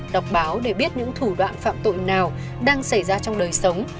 đọc báo để biết những thủ đoạn phạm tội nào đang xảy ra trong đời sống